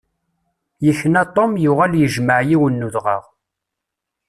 Yekna Tom yuɣal yejmeɛ yiwen n udɣaɣ.